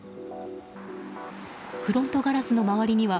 フロントガラスの周りには